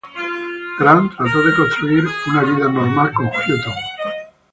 Grant trató de construir una vida normal con Hutton.